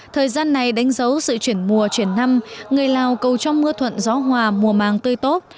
thời gian này đánh dấu sự chuyển mùa chuyển năm người lào cầu trong mưa thuận gió hòa mùa màng tươi tốt